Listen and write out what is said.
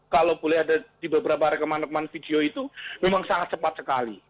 kalau boleh ada di beberapa rekaman rekaman video itu memang sangat cepat sekali